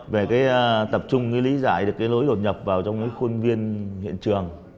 về cái tập trung cái lý giải được cái lối đột nhập vào trong cái khuôn viên hiện trường